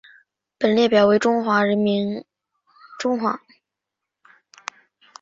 本列表为中华民国与中华人民共和国驻莱索托历任大使名录。